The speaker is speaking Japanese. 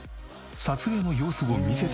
撮影の様子を見せて頂いた。